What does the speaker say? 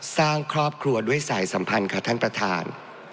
สร้างครอบครัวด้วยสายสัมพันธ์ค่ะท่านประธาน